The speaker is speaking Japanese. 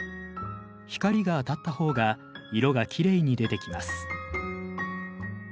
光が当たった方が色がきれいに出てきます。